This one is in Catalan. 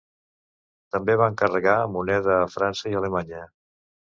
També va encarregar moneda a França i Alemanya.